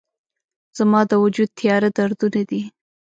زما د وجود تیاره دردونه دي